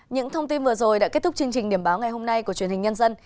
những thông tin vừa rồi đã kết thúc chương trình điểm báo ngày hôm nay của truyền hình nhân dân